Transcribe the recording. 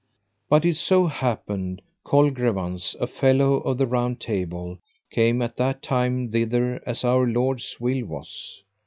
But so it happed, Colgrevance a fellow of the Round Table, came at that time thither as Our Lord's will was.